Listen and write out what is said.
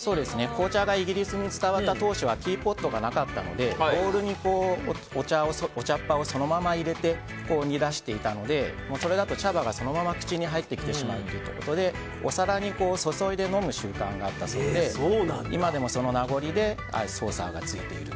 紅茶がイギリスに伝わった当初はティーポットがなかったのでボウルにお茶っ葉をそのまま入れて煮出していたのでそれだと、茶葉がそのまま口に入ってきてしまうということでお皿に注いで飲む習慣があったそうで今でも、その名残でソーサーがついている。